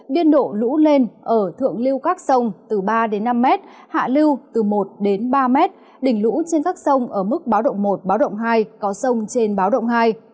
biên độ lũ lên ở thượng lưu các sông từ ba đến năm m hạ lưu từ một đến ba m đỉnh lũ trên các sông ở mức báo động một báo động hai có sông trên báo động hai